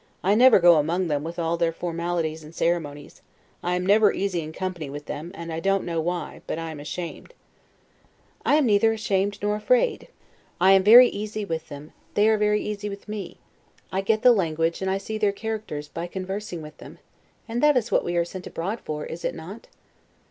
I never go among them with all their formalities and ceremonies. I am never easy in company with them, and I don't know why, but I am ashamed. Stanhope. I am neither ashamed nor afraid; I am very, easy with them; they are very easy with me; I get the language, and I see their characters, by conversing with them; and that is what we are sent abroad for, is it not?